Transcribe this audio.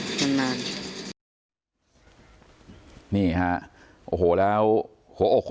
แล้วหลังจากนั้นเราขับหนีเอามามันก็ไล่ตามมาอยู่ตรงนั้น